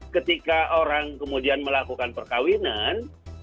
ketika orang kemudian melakukan perkawinan